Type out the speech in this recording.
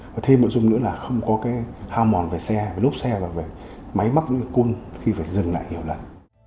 và thêm một dụng nữa là không có cái hao mòn về xe về lốt xe về máy mắc về côn khi phải dừng lại nhiều lần